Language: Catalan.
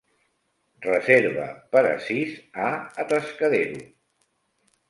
reserva per a sis a Atascadero